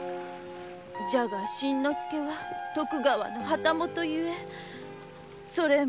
じゃが新之助は徳川の旗本ゆえそれも。